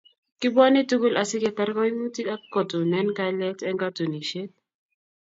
Kibwonii tugul asi ketar koimutik ak kotunen kalyeet eng katunisieet